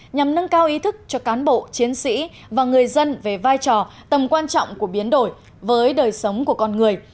nhằm nâng cao ý thức cho cán bộ chiến sĩ và người dân về vai trò tầm quan trọng của biến đổi với đời sống của con người